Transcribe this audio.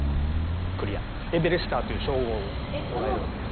エベレスターっていう称号をもらえるわけです。